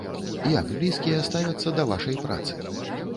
Як блізкія ставяцца да вашай працы?